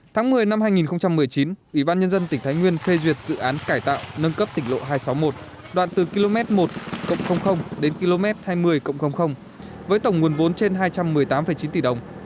tháng một mươi năm hai nghìn một mươi chín ủy ban nhân dân tỉnh thái nguyên phê duyệt dự án cải tạo nâng cấp tỉnh lộ hai trăm sáu mươi một đoạn từ km một đến km hai mươi với tổng nguồn vốn trên hai trăm một mươi tám chín tỷ đồng